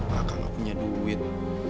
maka gak punya duit